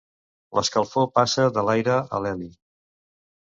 L'escalfor passa de l'aire a l'heli.